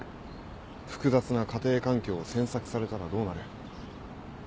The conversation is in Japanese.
複雑な家庭環境を詮索されたらどうなる？